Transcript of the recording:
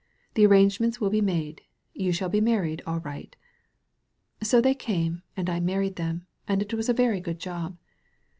The arrangements will be made. You shall be married, all right." So they came, and I married them, and it was a very good job.